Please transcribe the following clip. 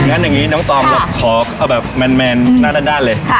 งั้นอย่างนี้น้องตอมเราขอเอาแบบแมนหน้าด้านเลย